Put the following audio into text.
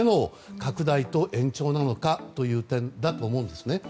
拡大と延長なのかという点だと思うんですね。